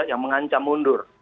yang mengancam mundur